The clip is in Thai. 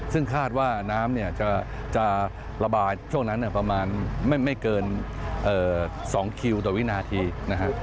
ซึ่งคาดว่าน้ำจะระบายโชคนั้นประมาณไม่เกิน๒คิวตวินาทีนะครับ